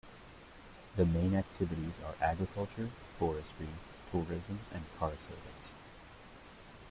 The main activities are agriculture, forestry, tourism, and car service.